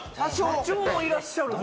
社長もいらっしゃるの？